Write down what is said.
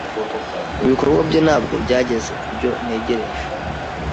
Ibikorwa bye ntabwo byageze kubyo ntegereje.